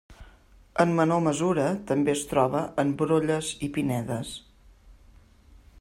En menor mesura també es troba en brolles i pinedes.